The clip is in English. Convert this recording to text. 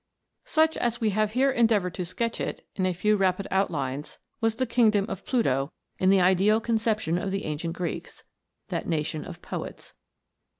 Such as we have here endeavoured to sketch it in a few rapid outlines, was the kingdom of Pluto in the ideal conception of the ancient Greeks, that nation of poets.